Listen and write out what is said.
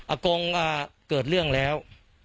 อะโกงอะเกิดเรื่องแล้ว